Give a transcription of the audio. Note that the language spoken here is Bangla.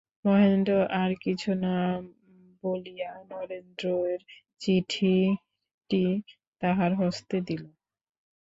মহেন্দ্র আর কিছু না মলিয়া নরেন্দ্রের চিঠিটি তাহার হস্তে দিল।